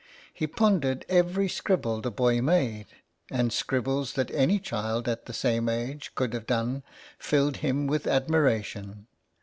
He pondered every scribble the boy made, and scribbles that any child at the same age could have done filled him with admiration.